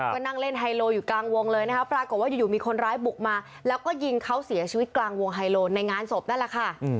ก็นั่งเล่นไฮโลอยู่กลางวงเลยนะคะปรากฏว่าอยู่มีคนร้ายบุกมาแล้วก็ยิงเขาเสียชีวิตกลางวงไฮโลในงานศพนั่นแหละค่ะ